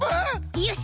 よし！